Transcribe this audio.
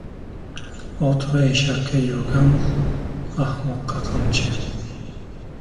• Ot va eshakka — yugan, ahmoqqa — qamchi.